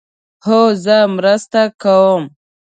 هو، زه مرسته کوم